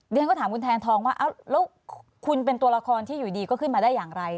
เรียนก็ถามคุณแทนทองว่าแล้วคุณเป็นตัวละครที่อยู่ดีก็ขึ้นมาได้อย่างไร